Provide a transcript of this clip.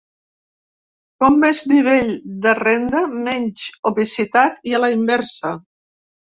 Com més nivell de renda, menys obesitat i a la inversa.